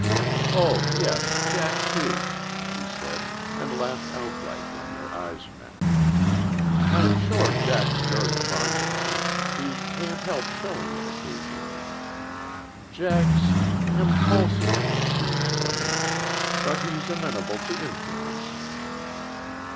"Oh, yes. Jack, too," she said, and laughed outright when their eyes met. "I'm sure Jack's very fond of me. He can't help showing it occasionally." "Jack's impulsive," she explained. "But he's amenable to influence."